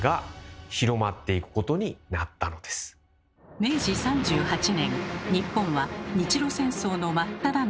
明治３８年日本は日露戦争の真っただ中。